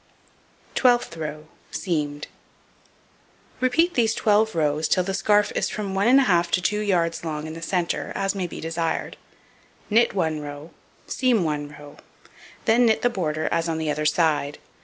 Twelfth row: Seamed. Repeat these 12 rows till the scarf is from 1 1/2; to 2 yards long in the centre, as may be desired. Knit 1 row, seam 1 row. Then knit the border, as on the other side.